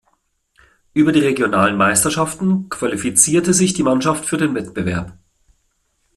Über die Regionalen Meisterschaften qualifizierte sich die Mannschaft für den Wettbewerb.